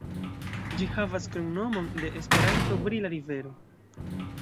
Ĝi havas kromnomon de Esperanto, "Brila Rivero".